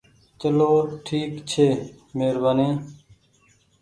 چلو ٺيڪ ڇي مهربآني ۔